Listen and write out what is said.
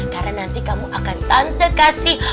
karena nanti kamu akan tante kasih diskon